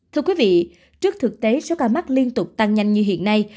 thưa quý vị trước thực tế số ca mắc liên tục tăng nhanh như hiện nay